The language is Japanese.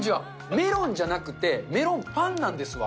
メロンじゃなくて、メロンパンなんですわ。